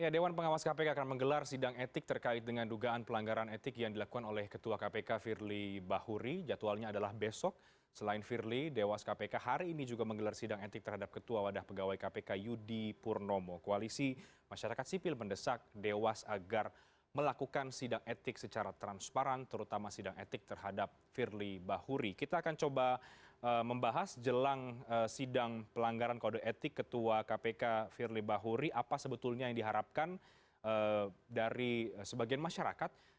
dalam sidang pelanggaran kode etik ketua kpk firly bahuri apa sebetulnya yang diharapkan dari sebagian masyarakat